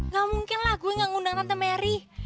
gak mungkin lah gue gak ngundang tante mary